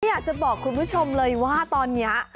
อยากจะบอกคุณผู้ชมเลยว่าตอนนี้